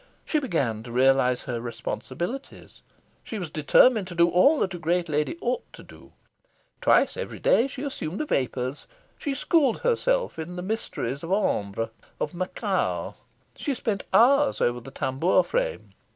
She began to realise her responsibilities. She was determined to do all that a great lady ought to do. Twice every day she assumed the vapours. She schooled herself in the mysteries of Ombre, of Macao. She spent hours over the tambour frame.